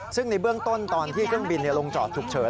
ซึ่งในเบื้องต้นตอนที่เครื่องบินลงจอดฉุกเฉิน